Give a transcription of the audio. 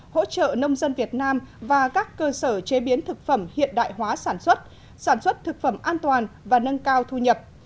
hỗ trợ nông dân việt nam và các cơ sở chế biến thực phẩm hiện đại hóa sản xuất sản xuất thực phẩm an toàn và nâng cao thu nhập